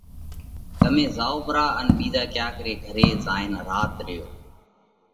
تمي زائو پرا ان ٻِيزا ڪياڪ ري گھري زائينَ رات ريو۔